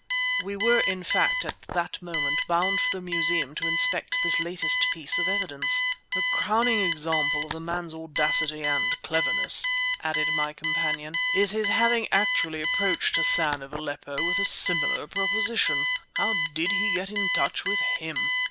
We were, in fact, at that moment bound for the Museum to inspect this latest piece of evidence. "The crowning example of the man's audacity and cleverness," added my companion, "is his having actually approached Hassan of Aleppo with a similar proposition! How did he get in touch with him?